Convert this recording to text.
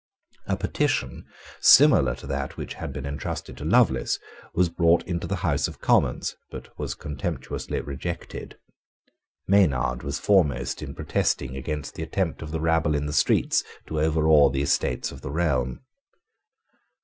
A petition, similar to that which had been entrusted to Lovelace, was brought into the House of Commons, but was contemptuously rejected. Maynard was foremost in protesting against the attempt of the rabble in the streets to overawe the Estates of the Realm.